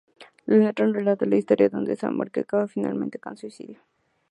La letra relata la historia de un desamor que acaba finalmente con suicidio.